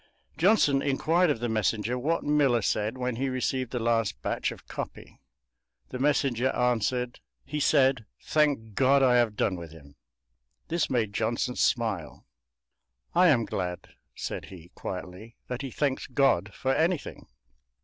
Johnson inquired of the messenger what Millar said when he received the last batch of copy. The messenger answered: "He said 'Thank God I have done with him.'" This made Johnson smile. "I am glad," said he, quietly, "that he thanks God for anything."